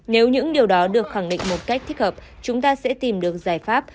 nếu những điều đó được khẳng định một cách thích hợp chúng ta sẽ tìm được giải pháp